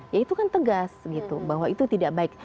ya itu kan tegas gitu bahwa itu tidak baik